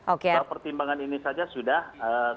oke ya nah pertimbangan ini saja sudah jadi